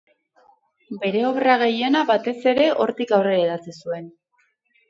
Bere obra gehiena batez ere hortik aurrera idatzi zuen.